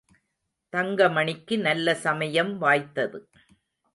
தங்கமணிக்கு நல்ல சமயம் வாய்த்தது.